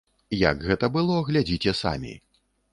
Як гэта было, глядзіце самі.